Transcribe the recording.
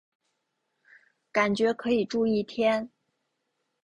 感觉可以住一天